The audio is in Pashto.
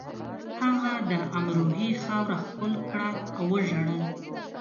هغه د امروهې خاوره ښکل کړه او وژړل